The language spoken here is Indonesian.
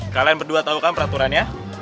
kalian berdua tau kan peraturannya